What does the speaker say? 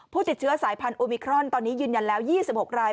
ติดเชื้อสายพันธุมิครอนตอนนี้ยืนยันแล้ว๒๖ราย